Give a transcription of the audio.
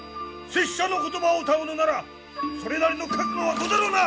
拙者の言葉を疑うのならそれなりの覚悟はござろうな！